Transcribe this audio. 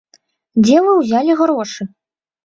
Дзе вы ўзялі грошы?